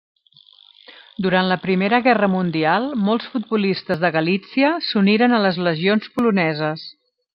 Durant la Primera Guerra Mundial molts futbolistes de Galítsia s'uniren a les legions poloneses.